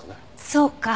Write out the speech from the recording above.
そうか。